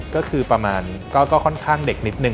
ก็คือประมาณก็ค่อนข้างเด็กนิดนึ